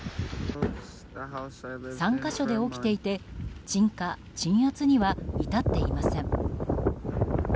３か所で起きていて鎮火・鎮圧には至っていません。